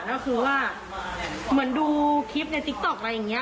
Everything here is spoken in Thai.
ก็คือว่าเหมือนดูคลิปในติ๊กต๊อกอะไรอย่างนี้